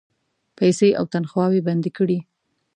پیسې او تنخواوې بندي کړې.